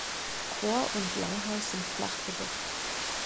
Chor und Langhaus sind flach gedeckt.